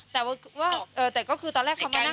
อ๋อแต่ว่าแต่ก็คือตอนแรกเขามานั่ง